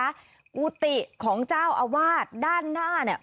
กุฏิของเจ้าอาวาสด้านหน้าเนี่ย